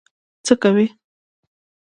څه کوې؟